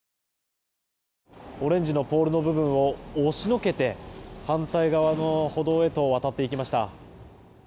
オレンジのポールの部分を押しのけて反対側の歩道へと渡っていきました。